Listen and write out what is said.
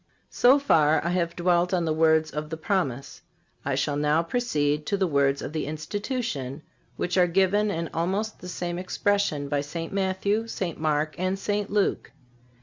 So far I have dwelt on the words of the Promise. I shall now proceed to the words of the Institution, which are given in almost the same expressions by St. Matthew, St. Mark and St. Luke.